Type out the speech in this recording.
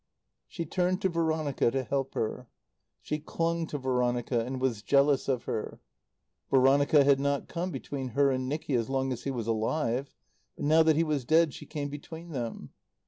She turned to Veronica to help her. She clung to Veronica and was jealous of her. Veronica had not come between her and Nicky as long as he was alive, but now that he was dead she came between them.